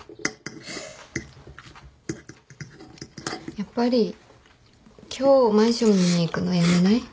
やっぱり今日マンション見に行くのやめない？